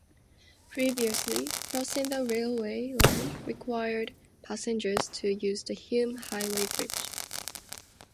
Previously, crossing the railway line required passengers to use the Hume Highway bridge.